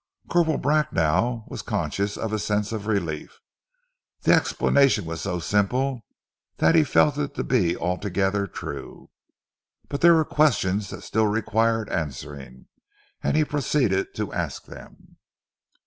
Corporal Bracknell was conscious of a sense of relief. The explanation was so simple that he felt it to be altogether true. But there were questions that still required answering, and he proceeded to ask them.